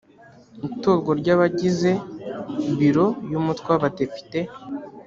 itorwa ry abagize biro y umutwe w abadepite